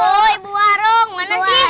oh ibu warung mana sih